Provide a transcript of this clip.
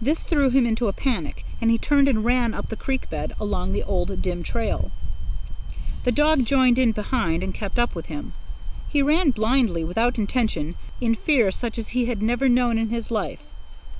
This threw him into a panic, and he turned and ran up the creek bed along the old, dim trail. The dog joined in behind and kept up with him. He ran blindly, without intention, in fear such as he had never known in his life.